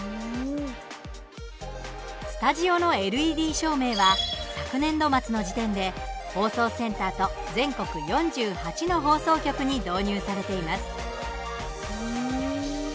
スタジオのＬＥＤ照明は昨年度末の時点で放送センターと全国４８の放送局に導入されています。